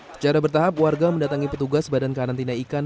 secara bertahap warga mendatangi petugas badan karantina ikan